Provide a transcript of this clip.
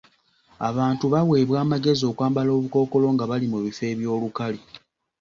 Abantu baaweebwa amagezi okwambala obukookolo nga bali mu bifo eby'olukale.